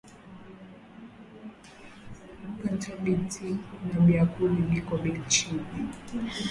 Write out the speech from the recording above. Pweto bintu na biakula biko bei chini